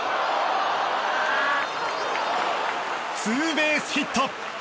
ツーベースヒット。